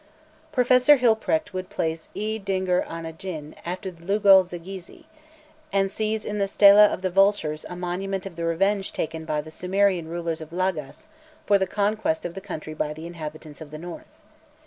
Professor Hilprecht would place E dingir ana gin after Lugal zaggisi, and see in the Stela of the Vultures a monument of the revenge taken by the Sumerian rulers of Lagas for the conquest of the country by the inhabitants of the north.